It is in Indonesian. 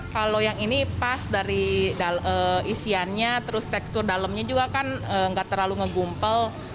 kalau yang ini pas dari isiannya terus tekstur dalamnya juga kan nggak terlalu ngegumpel